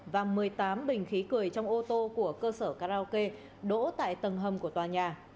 và một mươi tám bình khí cười trong ô tô của cơ sở karaoke đỗ tại tầng hầm của tòa nhà